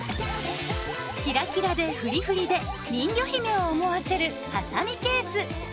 キラキラでフリフリで人魚姫を思わせるハサミケース。